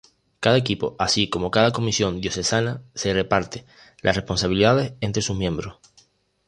Cada equipo, así como cada comisión diocesana, se reparte las responsabilidades entre sus miembros.